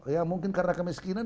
ya mungkin karena kemiskinan